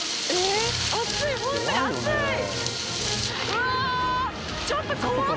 うわ！